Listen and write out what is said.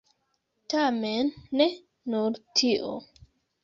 Tamen ne nur tio.